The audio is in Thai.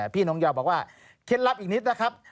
พี่น้องยาวบอกว่าเคล็ดลับอีกนิดนะครับ